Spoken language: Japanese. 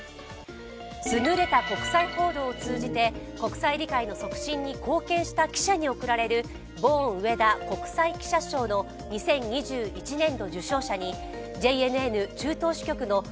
優れた国際報道を通じて国際理解の促進に貢献した記者に贈られる、ボーン・上田国際記者賞の２０２１年度受賞者にＪＮＮ・中東支局の